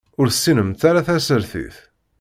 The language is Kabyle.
Ur tessinemt ara tasertit.